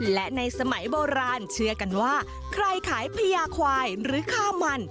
และในสมัยโบราณเชื่อกันว่าใครขายพญาควายหรือค่ามัน